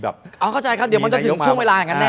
เอาเข้าใจครับเดี๋ยวมันจะถึงช่วงเวลาอย่างนั้นแน